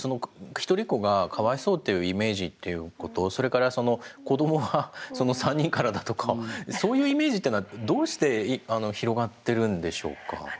ひとりっ子がかわいそうというイメージっていうことそれからその子どもは３人からだとかそういうイメージっていうのはどうして広がってるんでしょうか？